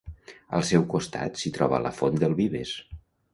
Al seu costat s'hi troba la Font del Vives.